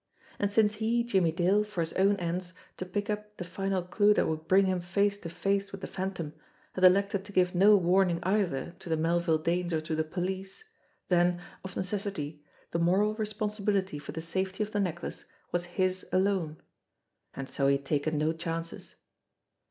And since he, Jimmie Dale, for his own ends, to pick up the final clue that would bring him face to face with the Phantom, had elected to give no warning either to the Mel ville Danes or to the police, then, of necessity, the moral responsibility for the safety of the necklace was his alone and so he had taken no chances.